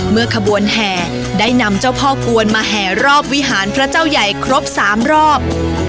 ขบวนแห่ได้นำเจ้าพ่อกวนมาแห่รอบวิหารพระเจ้าใหญ่ครบ๓รอบ